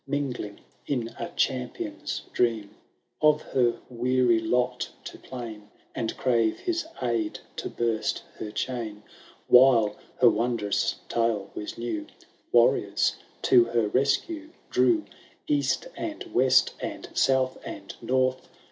Mingling in a champion's dream, Of her weary lot to plain. And crave his aid to burst her chain. While her wondrous tale was new, Warriors to her rescue drew. East and west, and south and north.